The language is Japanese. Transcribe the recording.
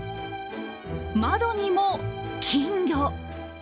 窓にも金魚。